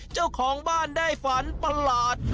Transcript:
เจ้าของบ้านได้ฝันประหลาด